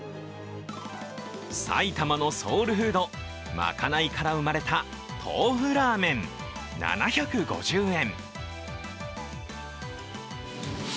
埼玉のソウルフードまかないから生まれたトーフラーメン、７５０円。